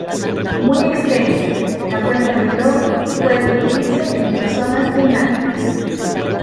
Muy extensa, la cuenca del Obi puede dividirse en tres zonas climáticas.